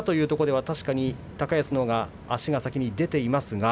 確かに高安のほうが足が先に出ています。